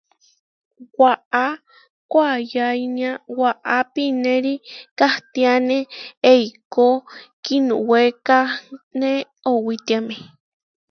Waʼá koayáinia waʼá pinéri kahtiáne eikó, kiinuwékane owitiáme.